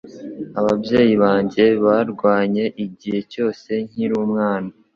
Ababyeyi banjye barwanye igihe cyose nkiri umwana